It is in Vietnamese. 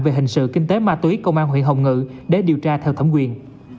về hình sự kinh tế ma túy công an huyện hồng ngự để điều tra theo thẩm quyền